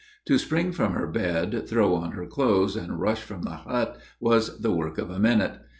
To spring from her bed, throw on her clothes, and rush from the hut, was the work of a minute.